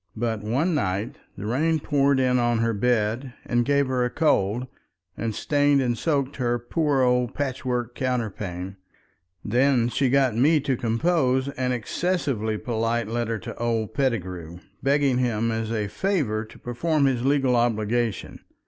But one night the rain poured in on her bed and gave her a cold, and stained and soaked her poor old patchwork counterpane. Then she got me to compose an excessively polite letter to old Pettigrew, begging him as a favor to perform his legal obligations.